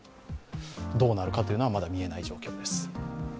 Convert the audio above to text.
どうなるかというのはまだ見えない状況です。